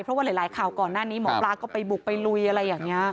เพราะว่าหลายข่าวก่อนหน้านี้หมอปลาก็ไปบุกไปลุยอะไรอย่างนี้